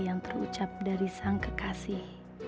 yang terucap dari sang kekasih